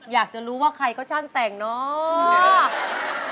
อยากจะรู้ว่าใครก็ช่างแต่งเนาะ